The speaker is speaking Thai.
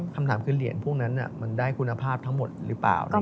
คำถามคือเหรียญพวกนั้นมันได้คุณภาพทั้งหมดหรือเปล่า